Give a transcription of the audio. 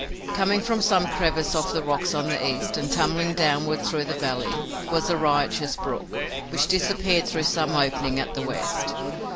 Coming from some crevice of the rocks on the east, and tumbling downward through the valley, was a riotous brook, which disappeared through some opening at the west.